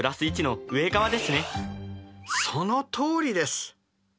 そのとおりです！